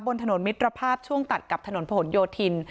บนถนนมิตรภาพช่วงตัดกับถนนผนโยธิน